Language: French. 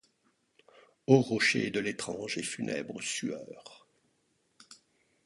Ô rocher de l’étrange et funèbre sueur!